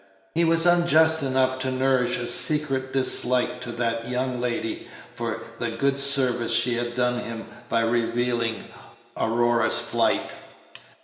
He was unjust enough to nourish a secret dislike to that young lady for the good service she had done him by revealing Aurora's flight.